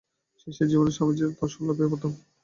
শিষ্যের জীবনে স্বামীজীর দর্শনলাভ এই প্রথম।